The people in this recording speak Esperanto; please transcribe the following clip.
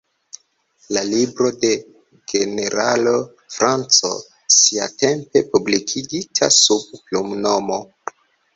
La libro de generalo Franco, siatempe publikigita sub plumnomo.